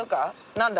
何だ？